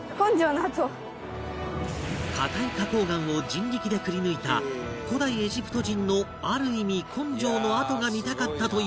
硬い花崗岩を人力でくりぬいた古代エジプト人のある意味根性の跡が見たかったという環子ちゃん